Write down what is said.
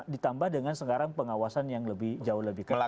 ditambah dengan sekarang pengawasan yang lebih jauh lebih ketat